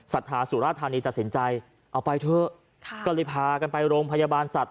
รัทธาสุราธานีตัดสินใจเอาไปเถอะก็เลยพากันไปโรงพยาบาลสัตว